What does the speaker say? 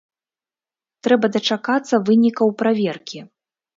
Трэба дачакацца вынікаў праверкі.